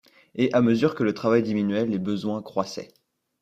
Et, à mesure que le travail diminuait, les besoins croissaient.